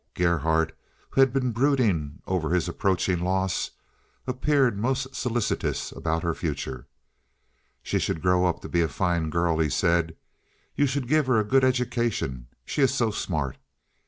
Gerhardt, who had been brooding over his approaching loss, appeared most solicitous about her future. "She should grow up to be a fine girl," he said. "You should give her a good education—she is so smart."